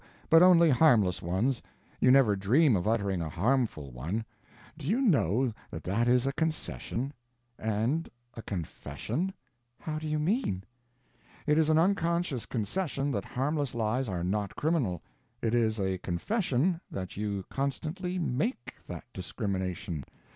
But only harmless ones. You never dream of uttering a harmful one. Do you know that that is a concession and a confession?" "How do you mean?" "It is an unconscious concession that harmless lies are not criminal; it is a confession that you constantly _make _that discrimination.